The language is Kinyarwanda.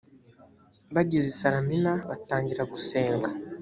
bageze i salamina batangira gusenga